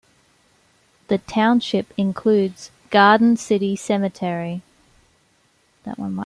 The township includes Garden City Cemetery.